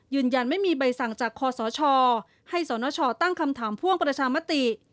ยืนยันไม่มีใบสั่งจากคอสชให้สนชตั้งคำถามพ่วงประชามติ